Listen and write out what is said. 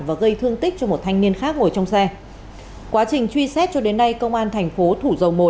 và gây thương tích cho một thanh niên khác ngồi trong xe quá trình truy xét cho đến nay công an thành phố thủ dầu một